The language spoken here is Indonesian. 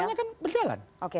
semuanya kan berjalan